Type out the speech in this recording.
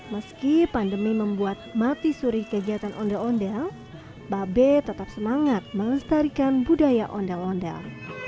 meski pandemi membuat mati suri kegiatan ondel ondel babe tetap semangat melestarikan budaya ondel ondel